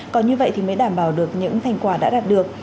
còn như vậy thì mới đảm bảo được những thành quả đã đạt được